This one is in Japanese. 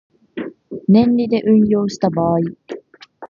年利で運用した場合